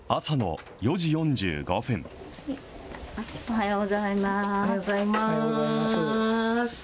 おはようございます。